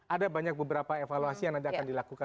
ada banyak beberapa evaluasi yang nanti akan dilakukan